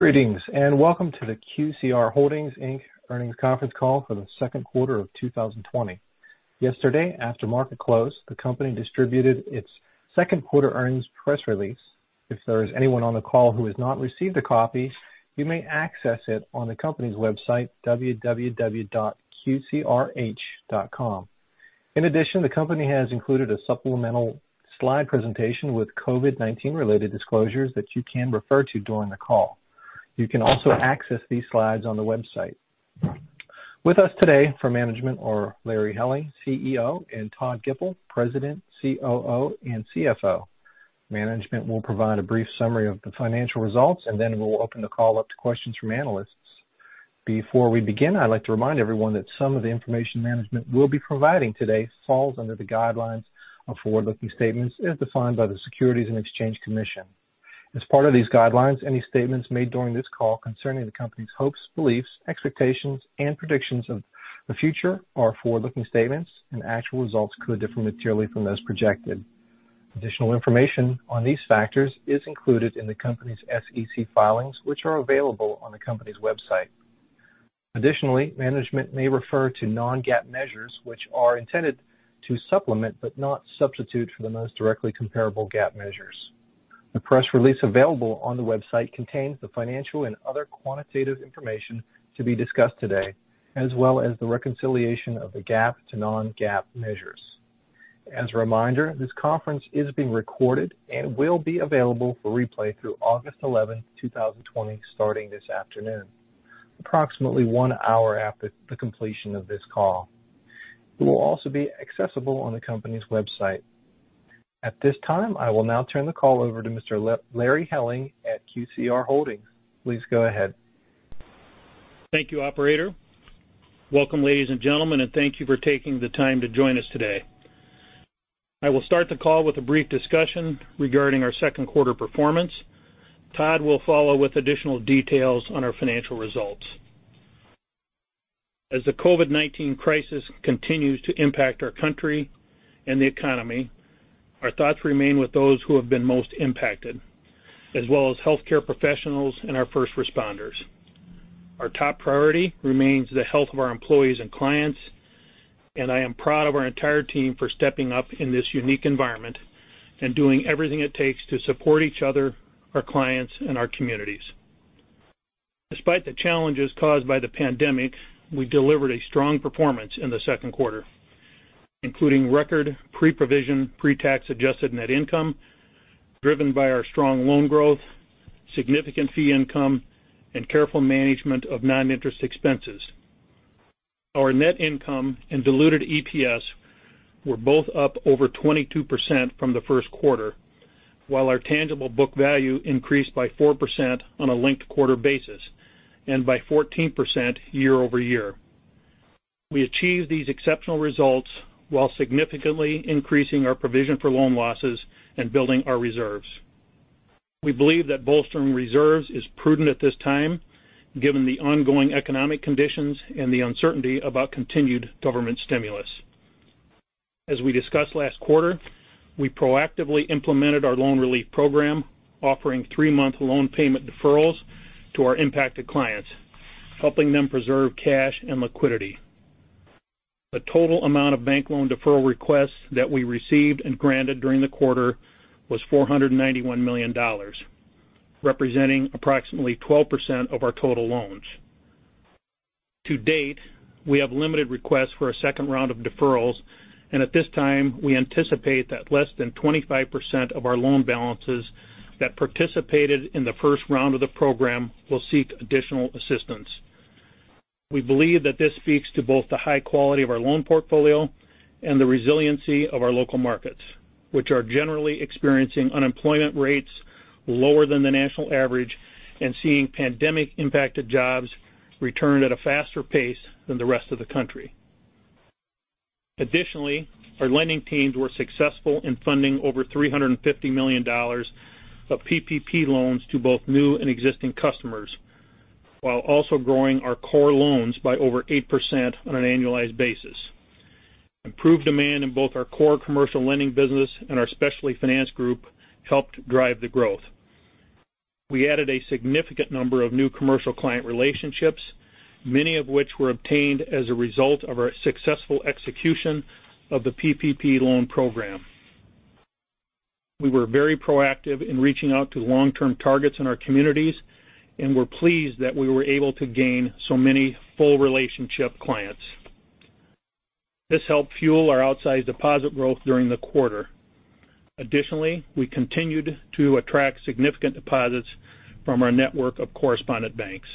Greetings and welcome to the QCR Holdings earnings conference call for the Second Quarter of 2020. Yesterday, after market close, the company distributed its second quarter earnings press release. If there is anyone on the call who has not received a copy, you may access it on the company's website, www.qcrh.com. In addition, the company has included a supplemental slide presentation with COVID-19-related disclosures that you can refer to during the call. You can also access these slides on the website. With us today for management are Larry Helling, CEO, and Todd Gipple, President, COO, and CFO. Management will provide a brief summary of the financial results, and then we'll open the call up to questions from analysts. Before we begin, I'd like to remind everyone that some of the information management will be providing today falls under the guidelines of forward-looking statements as defined by the Securities and Exchange Commission. As part of these guidelines, any statements made during this call concerning the company's hopes, beliefs, expectations, and predictions of the future are forward-looking statements, and actual results could differ materially from those projected. Additional information on these factors is included in the company's SEC filings, which are available on the company's website. Additionally, management may refer to non-GAAP measures, which are intended to supplement but not substitute for the most directly comparable GAAP measures. The press release available on the website contains the financial and other quantitative information to be discussed today, as well as the reconciliation of the GAAP to non-GAAP measures. As a reminder, this conference is being recorded and will be available for replay through August 11, 2020, starting this afternoon, approximately one hour after the completion of this call. It will also be accessible on the company's website. At this time, I will now turn the call over to Mr. Larry Helling at QCR Holdings. Please go ahead. Thank you, Operator. Welcome, ladies and gentlemen, and thank you for taking the time to join us today. I will start the call with a brief discussion regarding our second quarter performance. Todd will follow with additional details on our financial results. As the COVID-19 crisis continues to impact our country and the economy, our thoughts remain with those who have been most impacted, as well as healthcare professionals and our first responders. Our top priority remains the health of our employees and clients, and I am proud of our entire team for stepping up in this unique environment and doing everything it takes to support each other, our clients, and our communities. Despite the challenges caused by the pandemic, we delivered a strong performance in the second quarter, including record pre-provision, pre-tax adjusted net income driven by our strong loan growth, significant fee income, and careful management of non-interest expenses. Our net income and diluted EPS were both up over 22% from the first quarter, while our tangible book value increased by 4% on a linked quarter basis and by 14% year-over-year. We achieved these exceptional results while significantly increasing our provision for loan losses and building our reserves. We believe that bolstering reserves is prudent at this time, given the ongoing economic conditions and the uncertainty about continued government stimulus. As we discussed last quarter, we proactively implemented our loan relief program, offering three-month loan payment deferrals to our impacted clients, helping them preserve cash and liquidity. The total amount of bank loan deferral requests that we received and granted during the quarter was $491 million, representing approximately 12% of our total loans. To date, we have limited requests for a second round of deferrals, and at this time, we anticipate that less than 25% of our loan balances that participated in the first round of the program will seek additional assistance. We believe that this speaks to both the high quality of our loan portfolio and the resiliency of our local markets, which are generally experiencing unemployment rates lower than the national average and seeing pandemic-impacted jobs return at a faster pace than the rest of the country. Additionally, our lending teams were successful in funding over $350 million of PPP loans to both new and existing customers, while also growing our core loans by over 8% on an annualized basis. Improved demand in both our core commercial lending business and our specialty finance group helped drive the growth. We added a significant number of new commercial client relationships, many of which were obtained as a result of our successful execution of the PPP loan program. We were very proactive in reaching out to long-term targets in our communities and were pleased that we were able to gain so many full relationship clients. This helped fuel our outsized deposit growth during the quarter. Additionally, we continued to attract significant deposits from our network of correspondent banks.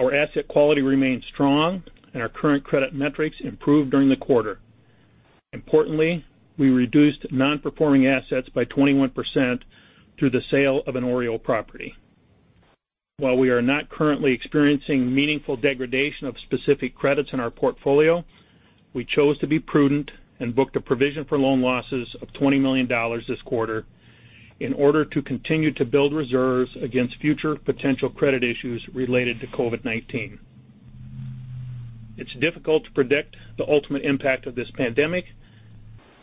Our asset quality remained strong, and our current credit metrics improved during the quarter. Importantly, we reduced non-performing assets by 21% through the sale of an OREO property. While we are not currently experiencing meaningful degradation of specific credits in our portfolio, we chose to be prudent and booked a provision for loan losses of $20 million this quarter in order to continue to build reserves against future potential credit issues related to COVID-19. It's difficult to predict the ultimate impact of this pandemic.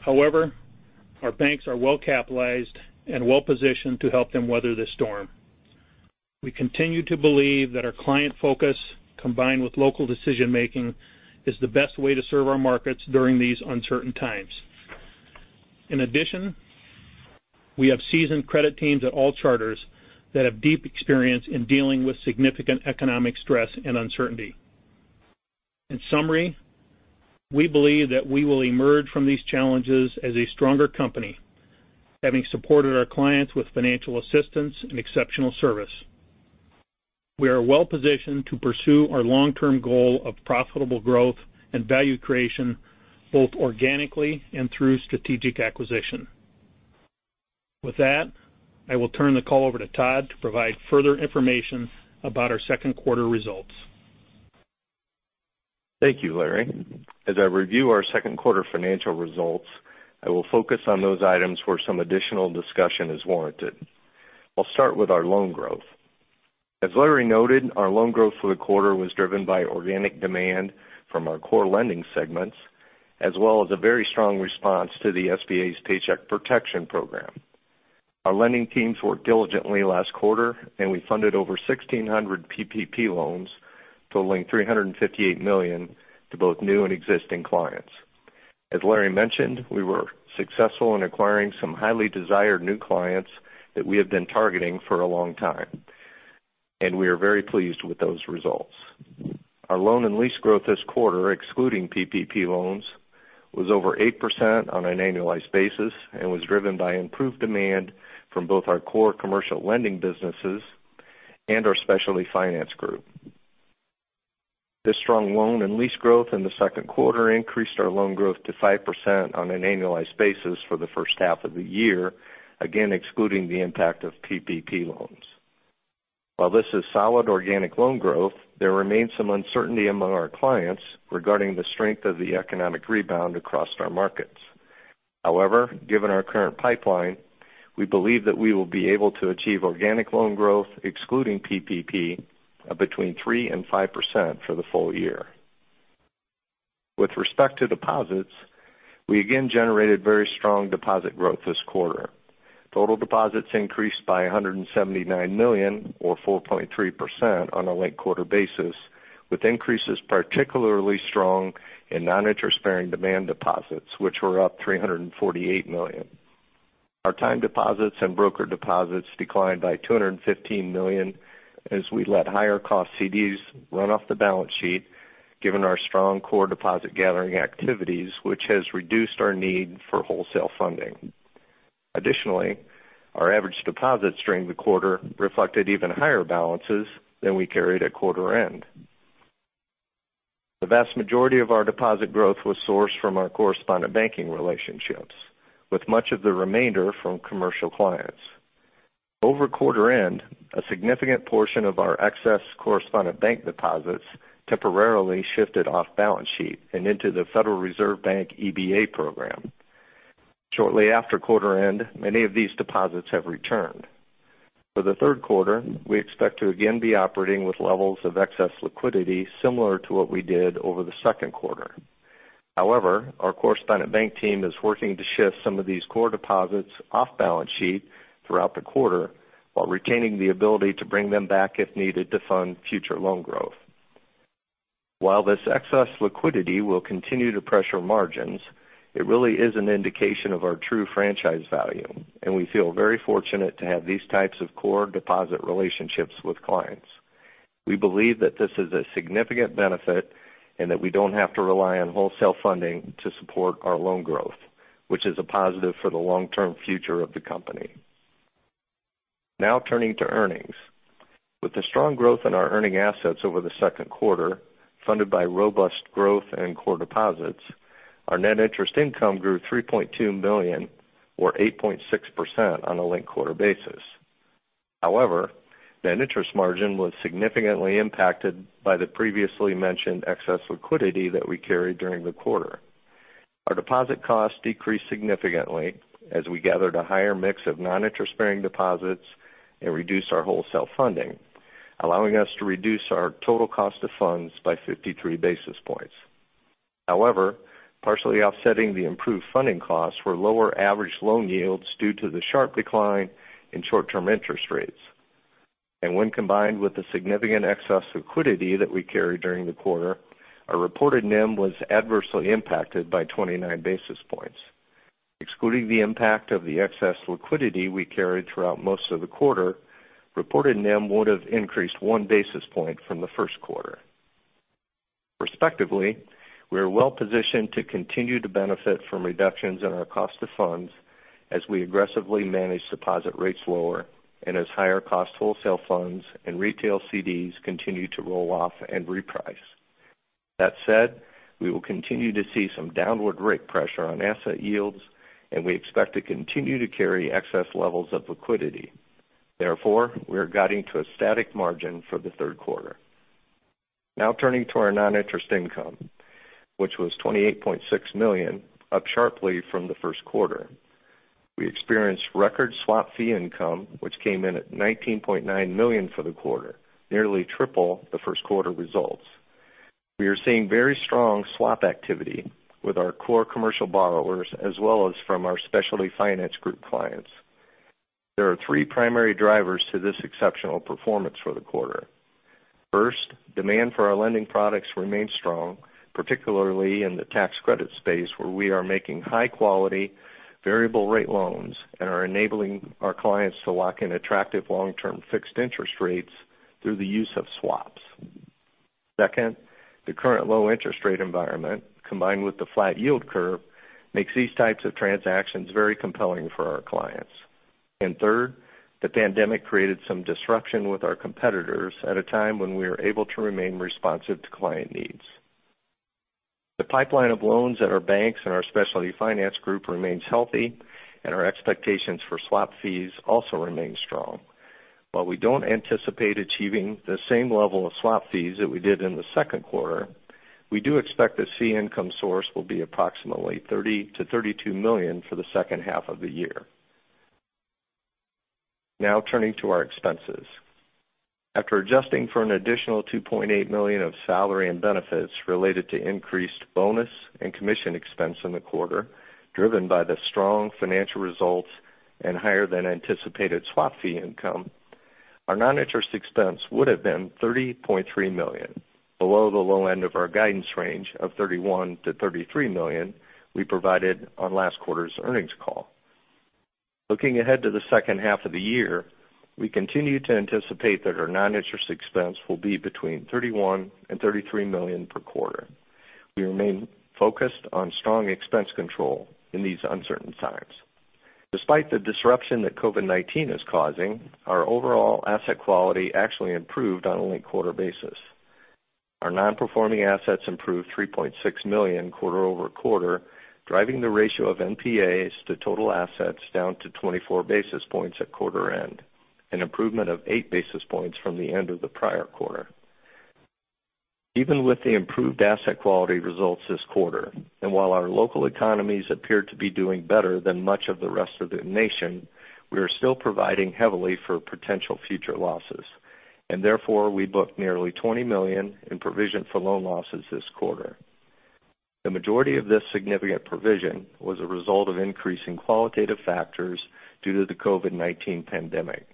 However, our banks are well-capitalized and well-positioned to help them weather this storm. We continue to believe that our client focus, combined with local decision-making, is the best way to serve our markets during these uncertain times. In addition, we have seasoned credit teams at all charters that have deep experience in dealing with significant economic stress and uncertainty. In summary, we believe that we will emerge from these challenges as a stronger company, having supported our clients with financial assistance and exceptional service. We are well-positioned to pursue our long-term goal of profitable growth and value creation, both organically and through strategic acquisition. With that, I will turn the call over to Todd to provide further information about our second quarter results. Thank you, Larry. As I review our second quarter financial results, I will focus on those items where some additional discussion is warranted. I'll start with our loan growth. As Larry noted, our loan growth for the quarter was driven by organic demand from our core lending segments, as well as a very strong response to the SBA's Paycheck Protection Program. Our lending teams worked diligently last quarter, and we funded over 1,600 PPP loans, totaling $358 million, to both new and existing clients. As Larry mentioned, we were successful in acquiring some highly desired new clients that we have been targeting for a long time, and we are very pleased with those results. Our loan and lease growth this quarter, excluding PPP loans, was over 8% on an annualized basis and was driven by improved demand from both our core commercial lending businesses and our specialty finance group. This strong loan and lease growth in the second quarter increased our loan growth to 5% on an annualized basis for the first half of the year, again excluding the impact of PPP loans. While this is solid organic loan growth, there remains some uncertainty among our clients regarding the strength of the economic rebound across our markets. However, given our current pipeline, we believe that we will be able to achieve organic loan growth, excluding PPP, of between 3% and 5% for the full year. With respect to deposits, we again generated very strong deposit growth this quarter. Total deposits increased by $179 million, or 4.3%, on a late-quarter basis, with increases particularly strong in non-interest-bearing demand deposits, which were up $348 million. Our time deposits and broker deposits declined by $215 million as we let higher-cost CDs run off the balance sheet, given our strong core deposit gathering activities, which has reduced our need for wholesale funding. Additionally, our average deposits during the quarter reflected even higher balances than we carried at quarter-end. The vast majority of our deposit growth was sourced from our correspondent banking relationships, with much of the remainder from commercial clients. Over quarter-end, a significant portion of our excess correspondent bank deposits temporarily shifted off balance sheet and into the Federal Reserve Bank EBA program. Shortly after quarter-end, many of these deposits have returned. For the third quarter, we expect to again be operating with levels of excess liquidity similar to what we did over the second quarter. However, our correspondent bank team is working to shift some of these core deposits off balance sheet throughout the quarter while retaining the ability to bring them back if needed to fund future loan growth. While this excess liquidity will continue to pressure margins, it really is an indication of our true franchise value, and we feel very fortunate to have these types of core deposit relationships with clients. We believe that this is a significant benefit and that we do not have to rely on wholesale funding to support our loan growth, which is a positive for the long-term future of the company. Now turning to earnings. With the strong growth in our earning assets over the second quarter, funded by robust growth in core deposits, our net interest income grew $3.2 million, or 8.6%, on a late-quarter basis. However, that interest margin was significantly impacted by the previously mentioned excess liquidity that we carried during the quarter. Our deposit costs decreased significantly as we gathered a higher mix of non-interest-bearing deposits and reduced our wholesale funding, allowing us to reduce our total cost of funds by 53 basis points. However, partially offsetting the improved funding costs were lower average loan yields due to the sharp decline in short-term interest rates. When combined with the significant excess liquidity that we carried during the quarter, our reported NIM was adversely impacted by 29 basis points. Excluding the impact of the excess liquidity we carried throughout most of the quarter, reported NIM would have increased one basis point from the first quarter. Respectively, we are well-positioned to continue to benefit from reductions in our cost of funds as we aggressively manage deposit rates lower and as higher-cost wholesale funds and retail CDs continue to roll off and reprice. That said, we will continue to see some downward rate pressure on asset yields, and we expect to continue to carry excess levels of liquidity. Therefore, we are guiding to a static margin for the third quarter. Now turning to our non-interest income, which was $28.6 million, up sharply from the first quarter. We experienced record swap fee income, which came in at $19.9 million for the quarter, nearly triple the first quarter results. We are seeing very strong swap activity with our core commercial borrowers as well as from our specialty finance group clients. There are three primary drivers to this exceptional performance for the quarter. First, demand for our lending products remains strong, particularly in the tax credit space, where we are making high-quality variable-rate loans and are enabling our clients to lock in attractive long-term fixed interest rates through the use of swaps. Second, the current low-interest-rate environment, combined with the flat yield curve, makes these types of transactions very compelling for our clients. Third, the pandemic created some disruption with our competitors at a time when we are able to remain responsive to client needs. The pipeline of loans at our banks and our specialty finance group remains healthy, and our expectations for swap fees also remain strong. While we do not anticipate achieving the same level of swap fees that we did in the second quarter, we do expect the fee income source will be approximately $30-$32 million for the second half of the year. Now turning to our expenses. After adjusting for an additional $2.8 million of salary and benefits related to increased bonus and commission expense in the quarter, driven by the strong financial results and higher-than-anticipated swap fee income, our non-interest expense would have been $30.3 million, below the low end of our guidance range of $31-$33 million we provided on last quarter's earnings call. Looking ahead to the second half of the year, we continue to anticipate that our non-interest expense will be between $31 and $33 million per quarter. We remain focused on strong expense control in these uncertain times. Despite the disruption that COVID-19 is causing, our overall asset quality actually improved on a late-quarter basis. Our non-performing assets improved $3.6 million quarter-over-quarter, driving the ratio of NPAs to total assets down to 24 basis points at quarter-end, an improvement of 8 basis points from the end of the prior quarter. Even with the improved asset quality results this quarter, and while our local economies appear to be doing better than much of the rest of the nation, we are still providing heavily for potential future losses. Therefore, we booked nearly $20 million in provision for loan losses this quarter. The majority of this significant provision was a result of increasing qualitative factors due to the COVID-19 pandemic.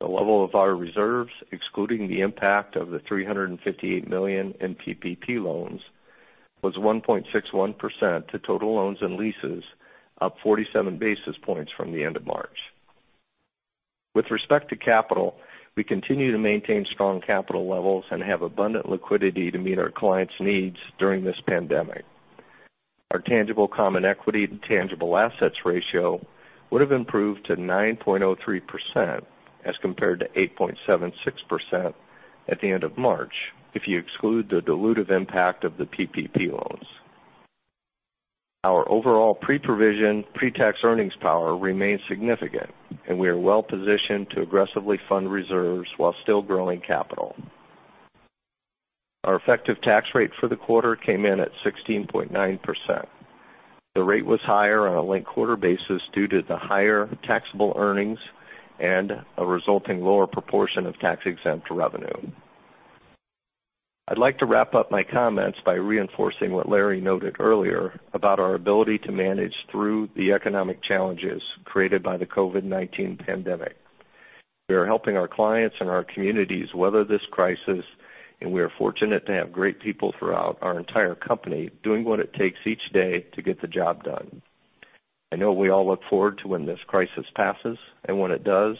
The level of our reserves, excluding the impact of the $358 million in PPP loans, was 1.61% to total loans and leases, up 47 basis points from the end of March. With respect to capital, we continue to maintain strong capital levels and have abundant liquidity to meet our clients' needs during this pandemic. Our tangible common equity to tangible assets ratio would have improved to 9.03% as compared to 8.76% at the end of March, if you exclude the dilutive impact of the PPP loans. Our overall pre-provision, pre-tax earnings power remains significant, and we are well-positioned to aggressively fund reserves while still growing capital. Our effective tax rate for the quarter came in at 16.9%. The rate was higher on a late-quarter basis due to the higher taxable earnings and a resulting lower proportion of tax-exempt revenue. I'd like to wrap up my comments by reinforcing what Larry noted earlier about our ability to manage through the economic challenges created by the COVID-19 pandemic. We are helping our clients and our communities weather this crisis, and we are fortunate to have great people throughout our entire company doing what it takes each day to get the job done. I know we all look forward to when this crisis passes, and when it does,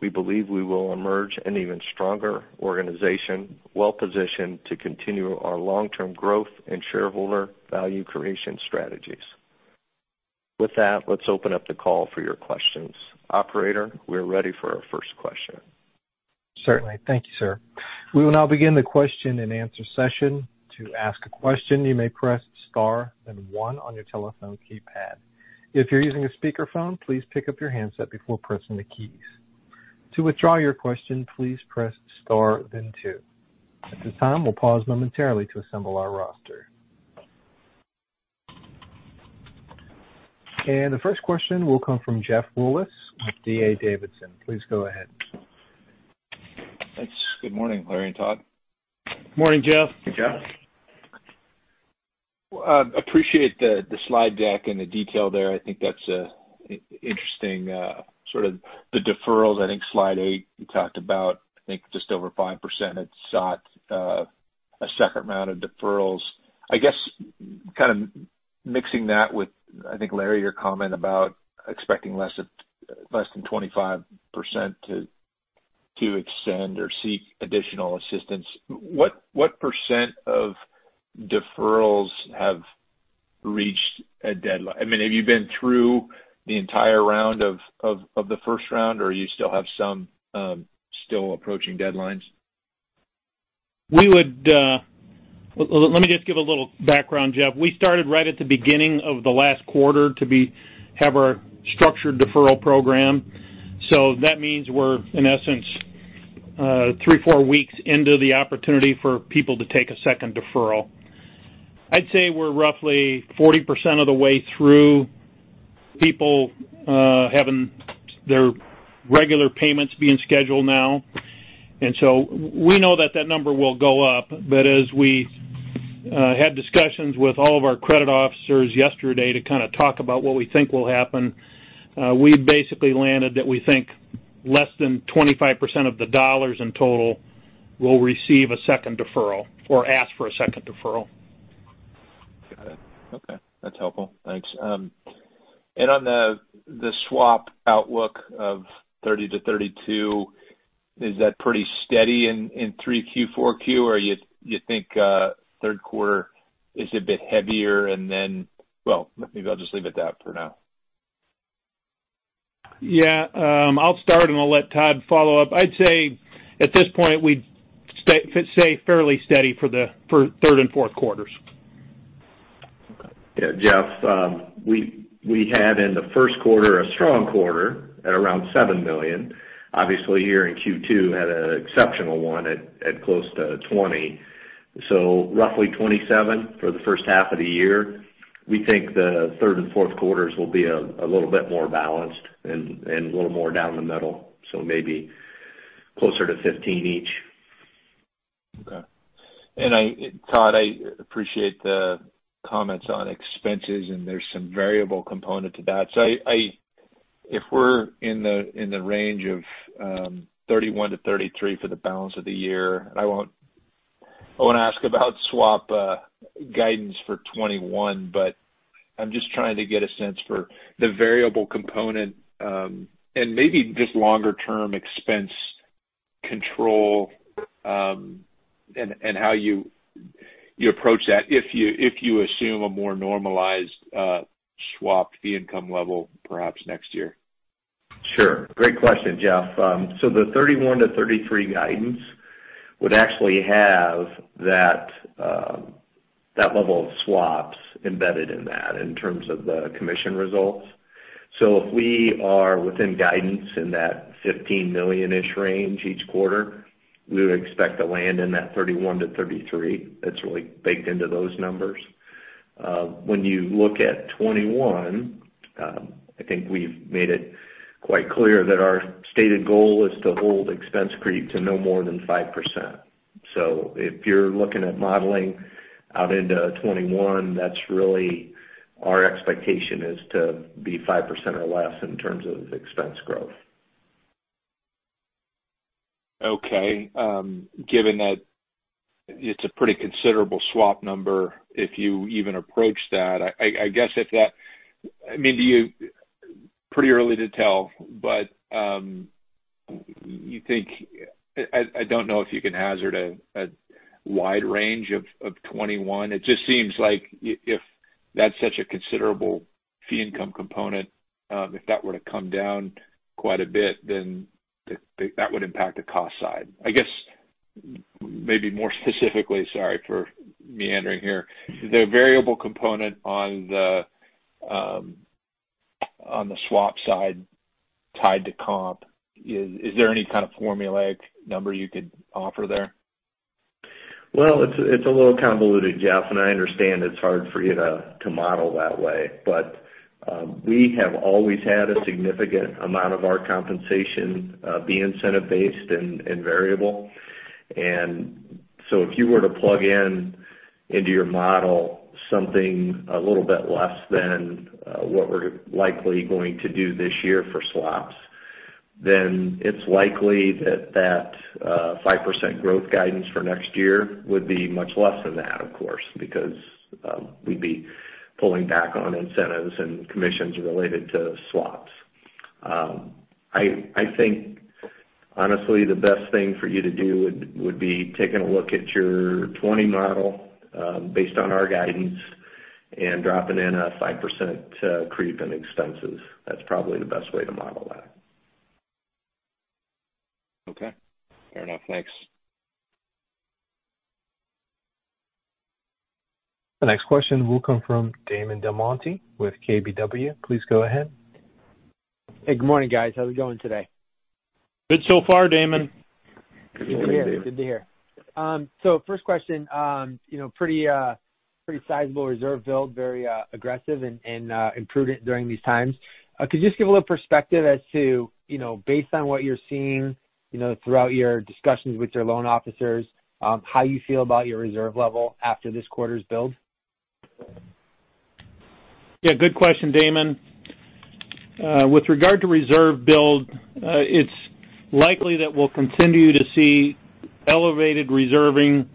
we believe we will emerge an even stronger organization, well-positioned to continue our long-term growth and shareholder value creation strategies. With that, let's open up the call for your questions. Operator, we are ready for our first question. Certainly. Thank you, sir. We will now begin the question-and-answer session. To ask a question, you may press star then one on your telephone keypad. If you're using a speakerphone, please pick up your handset before pressing the keys. To withdraw your question, please press star then two. At this time, we'll pause momentarily to assemble our roster. The first question will come from Jeff Rulis with D.A. Davidson. Please go ahead. Thanks. Good morning, Larry and Todd. Morning, Jeff. Hey, Jeff. Appreciate the slide deck and the detail there. I think that's an interesting sort of the deferrals. I think slide eight you talked about, I think just over 5%, it sought a separate amount of deferrals. I guess kind of mixing that with, I think, Larry, your comment about expecting less than 25% to extend or seek additional assistance. What percent of deferrals have reached a deadline? I mean, have you been through the entire round of the first round, or do you still have some still approaching deadlines? Let me just give a little background, Jeff. We started right at the beginning of the last quarter to have our structured deferral program. That means we're, in essence, three, four weeks into the opportunity for people to take a second deferral. I'd say we're roughly 40% of the way through, people having their regular payments being scheduled now. We know that that number will go up. As we had discussions with all of our credit officers yesterday to kind of talk about what we think will happen, we basically landed that we think less than 25% of the dollars in total will receive a second deferral or ask for a second deferral. Got it. Okay. That's helpful. Thanks. On the swap outlook of $30-$32, is that pretty steady in 3Q, 4Q, or you think third quarter is a bit heavier? Maybe I'll just leave it at that for now. Yeah. I'll start, and I'll let Todd follow up. I'd say at this point, we'd say fairly steady for third and fourth quarters. Okay. Yeah. Jeff, we had in the first quarter a strong quarter at around $7 million. Obviously, year in Q2 had an exceptional one at close to $20 million. So roughly $27 million for the first half of the year. We think the third and fourth quarters will be a little bit more balanced and a little more down the middle, so maybe closer to $15 million each. Okay. Todd, I appreciate the comments on expenses, and there's some variable component to that. If we're in the range of $31-$33 for the balance of the year, I want to ask about swap guidance for 2021, but I'm just trying to get a sense for the variable component and maybe just longer-term expense control and how you approach that if you assume a more normalized swap fee income level perhaps next year. Sure. Great question, Jeff. The $31-$33 guidance would actually have that level of swaps embedded in that in terms of the commission results. If we are within guidance in that $15 million-ish range each quarter, we would expect to land in that $31-$33. That is really baked into those numbers. When you look at 2021, I think we have made it quite clear that our stated goal is to hold expense creep to no more than 5%. If you are looking at modeling out into 2021, that is really our expectation is to be 5% or less in terms of expense growth. Okay. Given that it's a pretty considerable swap number, if you even approach that, I guess if that, I mean, pretty early to tell, but you think, I don't know if you can hazard a wide range of 2021. It just seems like if that's such a considerable fee income component, if that were to come down quite a bit, then that would impact the cost side. I guess maybe more specifically, sorry for meandering here, the variable component on the swap side tied to comp, is there any kind of formulaic number you could offer there? It's a little convoluted, Jeff, and I understand it's hard for you to model that way. We have always had a significant amount of our compensation be incentive-based and variable. If you were to plug in into your model something a little bit less than what we're likely going to do this year for swaps, then it's likely that that 5% growth guidance for next year would be much less than that, of course, because we'd be pulling back on incentives and commissions related to swaps. I think, honestly, the best thing for you to do would be taking a look at your 2020 model based on our guidance and dropping in a 5% creep in expenses. That's probably the best way to model that. Okay. Fair enough. Thanks. The next question will come from Damon DelMonte with KBW. Please go ahead. Hey, good morning, guys. How's it going today? Good so far, Damon. Good to hear. Good to hear. First question, pretty sizable reserve build, very aggressive and prudent during these times. Could you just give a little perspective as to, based on what you're seeing throughout your discussions with your loan officers, how you feel about your reserve level after this quarter's build? Yeah. Good question, Damon. With regard to reserve build, it's likely that we'll continue to see elevated reserving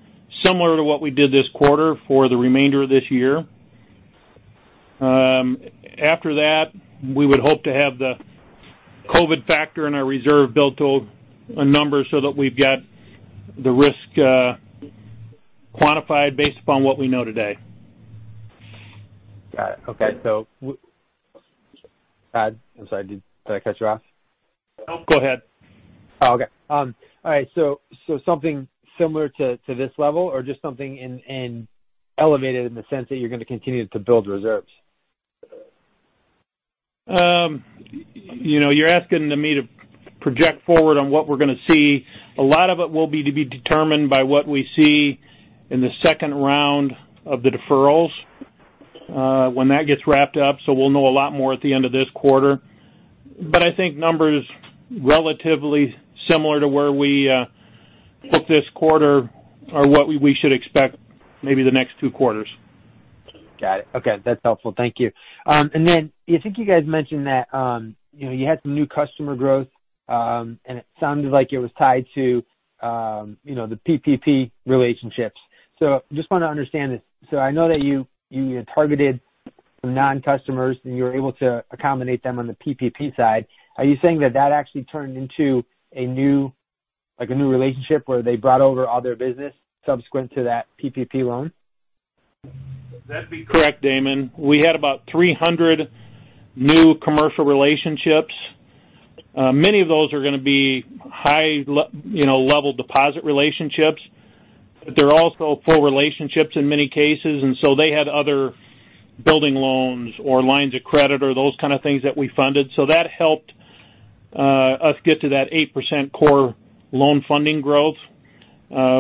similar to what we did this quarter for the remainder of this year. After that, we would hope to have the COVID factor in our reserve build to a number so that we've got the risk quantified based upon what we know today. Got it. Okay. Todd, I'm sorry. Did I cut you off? Go ahead. Oh, okay. All right. Something similar to this level or just something elevated in the sense that you're going to continue to build reserves? You're asking me to project forward on what we're going to see. A lot of it will be to be determined by what we see in the second round of the deferrals when that gets wrapped up. We will know a lot more at the end of this quarter. I think numbers relatively similar to where we booked this quarter are what we should expect maybe the next two quarters. Got it. Okay. That's helpful. Thank you. I think you guys mentioned that you had some new customer growth, and it sounded like it was tied to the PPP relationships. I just want to understand this. I know that you targeted some non-customers, and you were able to accommodate them on the PPP side. Are you saying that that actually turned into a new relationship where they brought over all their business subsequent to that PPP loan? Correct, Damon. We had about 300 new commercial relationships. Many of those are going to be high-level deposit relationships, but they're also full relationships in many cases. They had other building loans or lines of credit or those kind of things that we funded. That helped us get to that 8% core loan funding growth,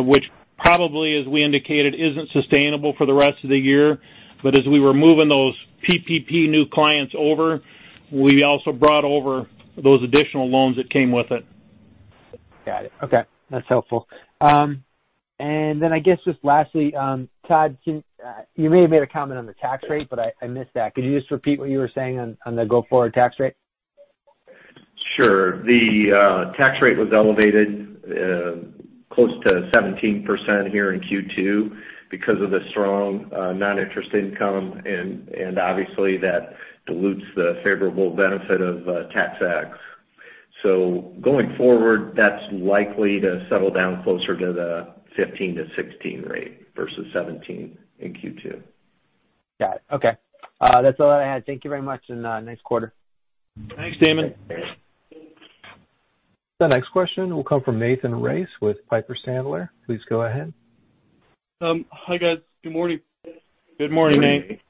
which probably, as we indicated, isn't sustainable for the rest of the year. As we were moving those PPP new clients over, we also brought over those additional loans that came with it. Got it. Okay. That's helpful. I guess just lastly, Todd, you may have made a comment on the tax rate, but I missed that. Could you just repeat what you were saying on the go-forward tax rate? Sure. The tax rate was elevated close to 17% here in Q2 because of the strong non-interest income, and obviously, that dilutes the favorable benefit of tax acts. Going forward, that's likely to settle down closer to the 15-16% rate versus 17% in Q2. Got it. Okay. That's all I had. Thank you very much and nice quarter. Thanks, Damon. The next question will come from Nathan Race with Piper Sandler. Please go ahead. Hi, guys. Good morning. Good morning, Nate.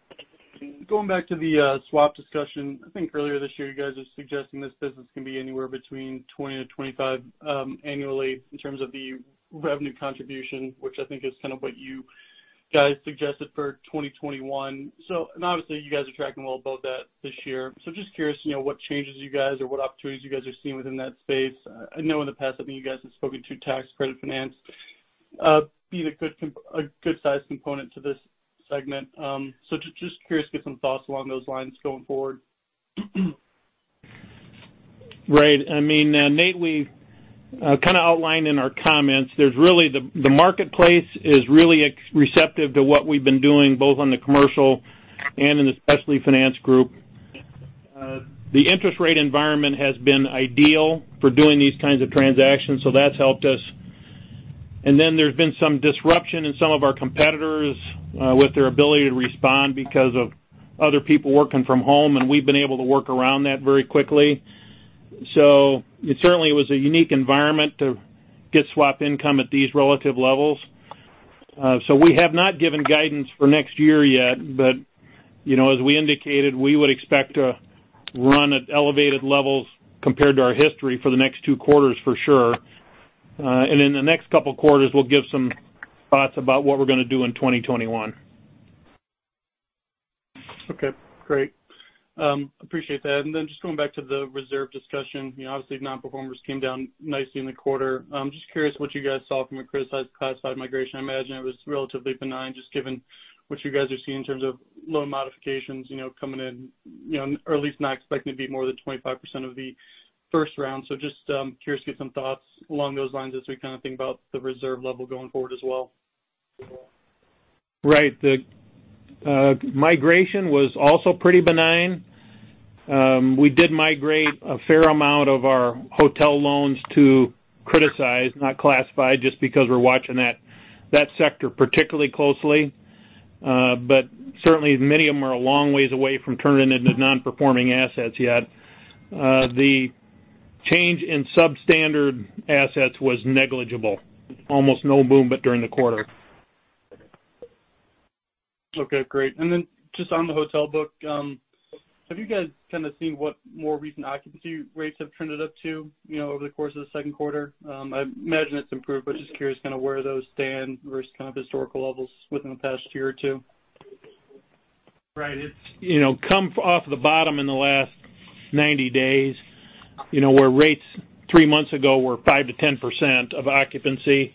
Going back to the swap discussion, I think earlier this year, you guys were suggesting this business can be anywhere between $20 million and $25 million annually in terms of the revenue contribution, which I think is kind of what you guys suggested for 2021. Obviously, you guys are tracking well above that this year. Just curious what changes you guys or what opportunities you guys are seeing within that space. I know in the past, I think you guys have spoken to tax credit finance being a good-sized component to this segment. Just curious to get some thoughts along those lines going forward. Right. I mean, Nate, we kind of outlined in our comments, the marketplace is really receptive to what we've been doing both on the commercial and in the specialty finance group. The interest rate environment has been ideal for doing these kinds of transactions, so that's helped us. There has been some disruption in some of our competitors with their ability to respond because of other people working from home, and we've been able to work around that very quickly. Certainly, it was a unique environment to get swap income at these relative levels. We have not given guidance for next year yet, but as we indicated, we would expect to run at elevated levels compared to our history for the next two quarters for sure. In the next couple of quarters, we'll give some thoughts about what we're going to do in 2021. Okay. Great. Appreciate that. Just going back to the reserve discussion, obviously, non-performers came down nicely in the quarter. I'm just curious what you guys saw from a criticized classified migration. I imagine it was relatively benign just given what you guys are seeing in terms of loan modifications coming in, or at least not expecting to be more than 25% of the first round. Just curious to get some thoughts along those lines as we kind of think about the reserve level going forward as well. Right. The migration was also pretty benign. We did migrate a fair amount of our hotel loans to criticized, not classified, just because we're watching that sector particularly closely. Certainly, many of them are a long ways away from turning into non-performing assets yet. The change in substandard assets was negligible. Almost no movement during the quarter. Okay. Great. Just on the hotel book, have you guys kind of seen what more recent occupancy rates have trended up to over the course of the second quarter? I imagine it has improved, but just curious kind of where those stand versus kind of historical levels within the past year or two. Right. It's come off the bottom in the last 90 days where rates three months ago were 5%-10% of occupancy.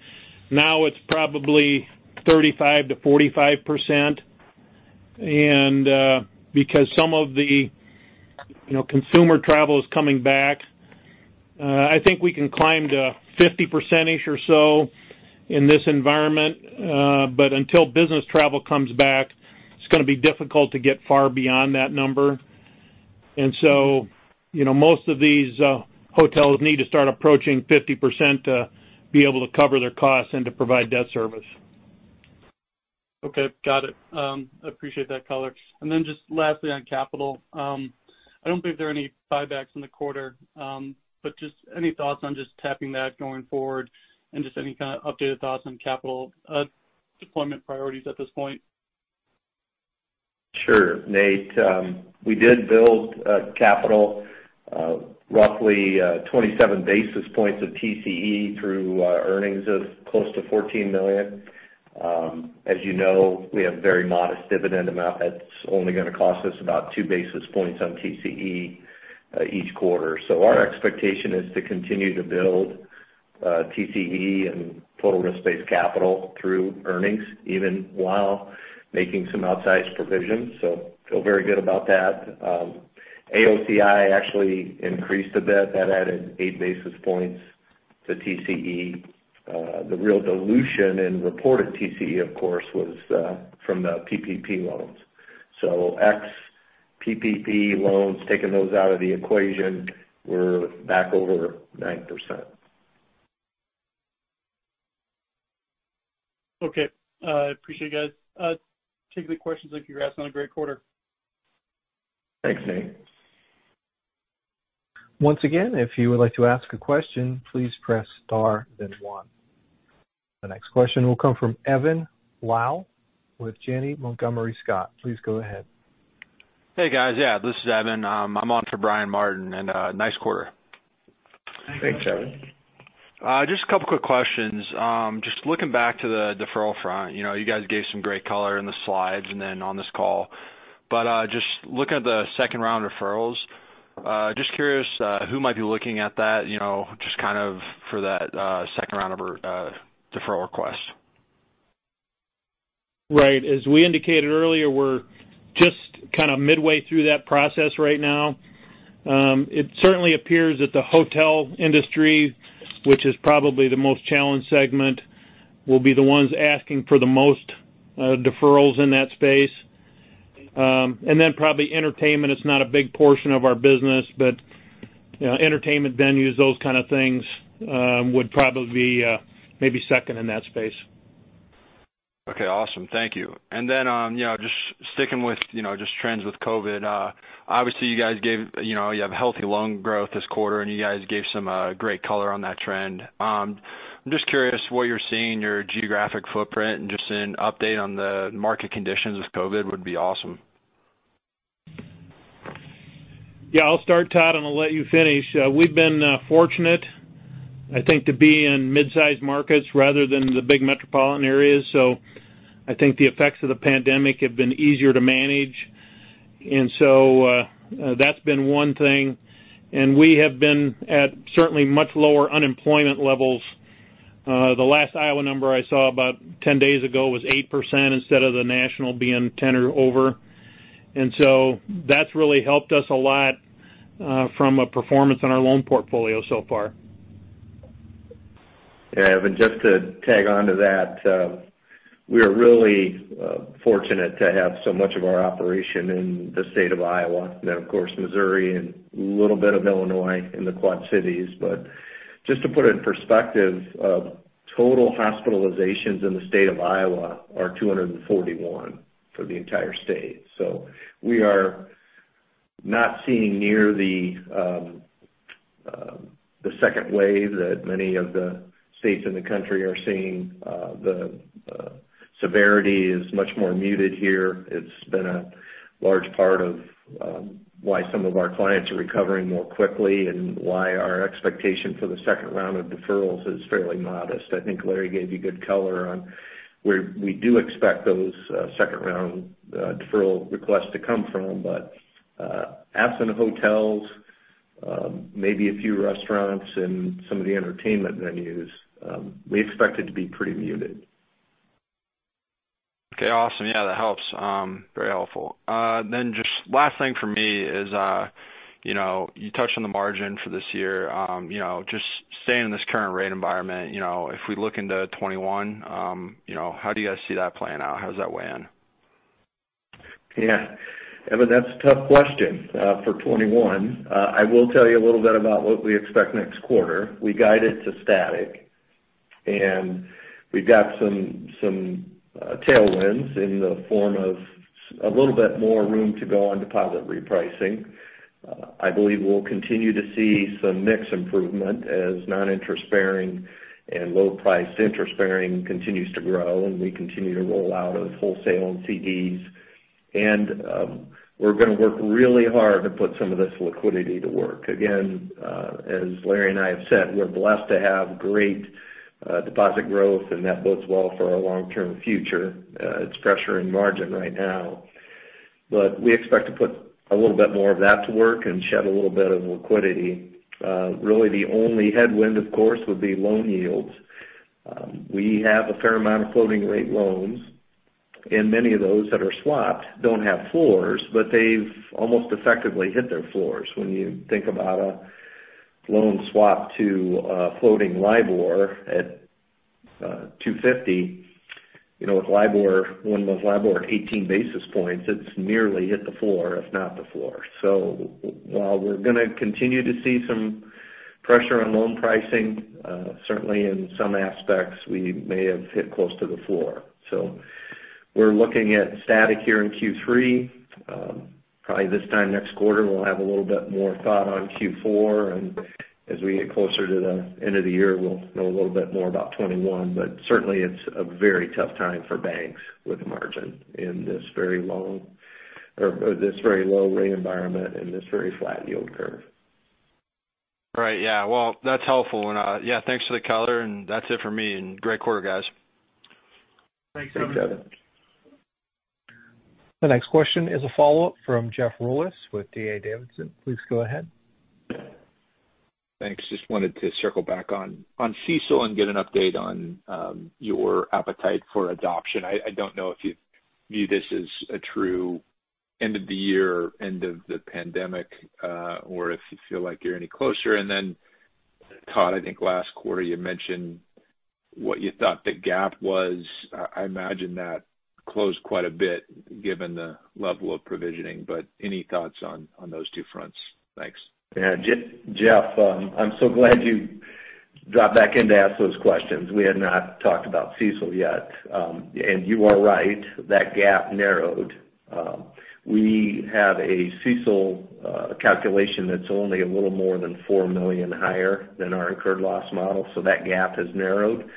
Now it's probably 35%-45%. Because some of the consumer travel is coming back, I think we can climb to 50%-ish or so in this environment. Until business travel comes back, it's going to be difficult to get far beyond that number. Most of these hotels need to start approaching 50% to be able to cover their costs and to provide debt service. Okay. Got it. Appreciate that colors. Just lastly on capital, I do not believe there are any buybacks in the quarter, but just any thoughts on just tapping that going forward and just any kind of updated thoughts on capital deployment priorities at this point? Sure. Nate, we did build capital roughly 27 basis points of TCE through earnings of close to $14 million. As you know, we have a very modest dividend amount that is only going to cost us about two basis points on TCE each quarter. Our expectation is to continue to build TCE and total risk-based capital through earnings even while making some outsized provisions. I feel very good about that. AOCI actually increased a bit. That added eight basis points to TCE. The real dilution in reported TCE, of course, was from the PPP loans. Ex-PPP loans, taking those out of the equation, we are back over 9%. Okay. Appreciate it, guys. Taking the questions and congrats on a great quarter. Thanks, Nate. Once again, if you would like to ask a question, please press star, then one. The next question will come from Evan Lowe with Janney Montgomery Scott. Please go ahead. Hey, guys. Yeah. This is Evan. I'm on for Brian Martin, and nice quarter. Thanks, Evan. Just a couple of quick questions. Just looking back to the deferral front, you guys gave some great color in the slides and then on this call. Just looking at the second round of deferrals, just curious who might be looking at that just kind of for that second round of deferral request? Right. As we indicated earlier, we're just kind of midway through that process right now. It certainly appears that the hotel industry, which is probably the most challenged segment, will be the ones asking for the most deferrals in that space. It is not a big portion of our business, but entertainment venues, those kind of things would probably be maybe second in that space. Okay. Awesome. Thank you. Just sticking with just trends with COVID, obviously, you guys have healthy loan growth this quarter, and you guys gave some great color on that trend. I'm just curious what you're seeing, your geographic footprint, and just an update on the market conditions with COVID would be awesome. Yeah. I'll start, Todd, and I'll let you finish. We've been fortunate, I think, to be in mid-sized markets rather than the big metropolitan areas. I think the effects of the pandemic have been easier to manage. That's been one thing. We have been at certainly much lower unemployment levels. The last Iowa number I saw about 10 days ago was 8% instead of the national being 10% or over. That's really helped us a lot from a performance on our loan portfolio so far. Yeah. Evan, just to tag on to that, we are really fortunate to have so much of our operation in the state of Iowa, then, of course, Missouri and a little bit of Illinois in the Quad Cities. Just to put it in perspective, total hospitalizations in the state of Iowa are 241 for the entire state. We are not seeing near the second wave that many of the states in the country are seeing. The severity is much more muted here. It's been a large part of why some of our clients are recovering more quickly and why our expectation for the second round of deferrals is fairly modest. I think Larry gave you good color on where we do expect those second-round deferral requests to come from. Absent hotels, maybe a few restaurants and some of the entertainment venues, we expect it to be pretty muted. Okay. Awesome. Yeah. That helps. Very helpful. Just last thing for me is you touched on the margin for this year. Just staying in this current rate environment, if we look into 2021, how do you guys see that playing out? How does that weigh in? Yeah. Evan, that's a tough question for '21. I will tell you a little bit about what we expect next quarter. We guided to static, and we've got some tailwinds in the form of a little bit more room to go on deposit repricing. I believe we'll continue to see some mix improvement as non-interest-bearing and low-priced interest-bearing continues to grow, and we continue to roll out of wholesale and CDs. We are going to work really hard to put some of this liquidity to work. Again, as Larry and I have said, we're blessed to have great deposit growth, and that bodes well for our long-term future. It's pressure in margin right now. We expect to put a little bit more of that to work and shed a little bit of liquidity. Really, the only headwind, of course, would be loan yields. We have a fair amount of floating-rate loans, and many of those that are swapped do not have floors, but they have almost effectively hit their floors. When you think about a loan swap to floating LIBOR at 250, with LIBOR, one-month LIBOR at 18 basis points, it is nearly hit the floor, if not the floor. While we are going to continue to see some pressure on loan pricing, certainly in some aspects, we may have hit close to the floor. We are looking at static here in Q3. Probably this time next quarter, we will have a little bit more thought on Q4. As we get closer to the end of the year, we will know a little bit more about 2021. Certainly, it is a very tough time for banks with margin in this very low rate environment and this very flat yield curve. Right. Yeah. That is helpful. Yeah, thanks for the color, and that is it for me. Great quarter, guys. Thanks, Evan. The next question is a follow-up from Jeff Rulis with D.A. Davidson. Please go ahead. Thanks. Just wanted to circle back on CECL and get an update on your appetite for adoption. I don't know if you view this as a true end of the year, end of the pandemic, or if you feel like you're any closer. Todd, I think last quarter, you mentioned what you thought the gap was. I imagine that closed quite a bit given the level of provisioning. Any thoughts on those two fronts? Thanks. Yeah. Jeff, I'm so glad you dropped back in to ask those questions. We had not talked about CECL yet. You are right. That gap narrowed. We have a CECL calculation that's only a little more than $4 million higher than our incurred loss model. That gap has narrowed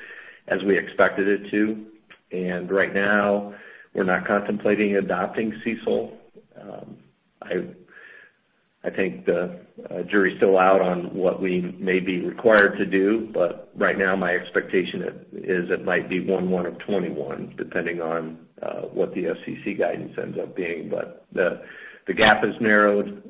as we expected it to. Right now, we're not contemplating adopting CECL. I think the jury's still out on what we may be required to do. Right now, my expectation is it might be January 1, 2021, depending on what the FASB guidance ends up being. The gap has narrowed.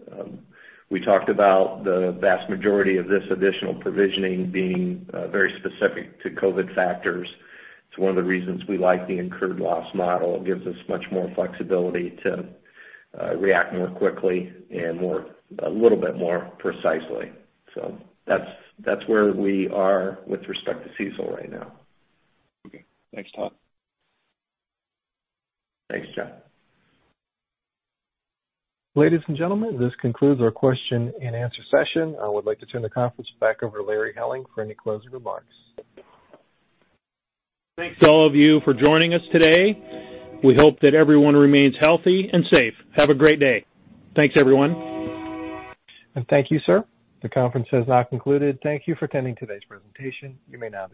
We talked about the vast majority of this additional provisioning being very specific to COVID factors. It's one of the reasons we like the incurred loss model. It gives us much more flexibility to react more quickly and a little bit more precisely. That is where we are with respect to CECL right now. Okay. Thanks, Todd. Thanks, Jeff. Ladies and gentlemen, this concludes our question and answer session. I would like to turn the conference back over to Larry Helling for any closing remarks. Thanks to all of you for joining us today. We hope that everyone remains healthy and safe. Have a great day. Thanks, everyone. Thank you, sir. The conference has now concluded. Thank you for attending today's presentation. You may now.